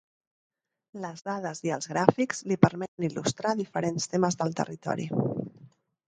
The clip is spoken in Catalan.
Les dades i els gràfics li permeten il·lustrar diferents temes del territori.